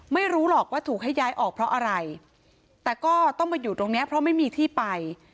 ไม่รู้หรอกว่าถูกให้ย้ายออกเพราะอะไรแต่ก็ต้องมาอยู่ตรงเนี้ยเพราะไม่มีที่ไป